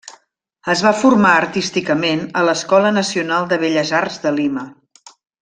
Es va formar artísticament a l'Escola Nacional de Belles Arts de Lima.